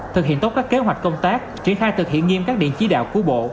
thực hiện tốt các kế hoạch công tác triển khai thực hiện nghiêm các điện chỉ đạo của bộ